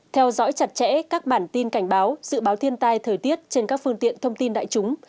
theo dõi chặt chẽ các bản tin cảnh báo dự báo thiên tai thời tiết trên các phương tiện thông tin đại chúng